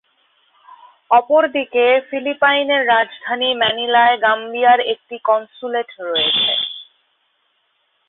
অপরদিকে ফিলিপাইনের রাজধানী ম্যানিলায় গাম্বিয়ার একটি কনস্যুলেট রয়েছে।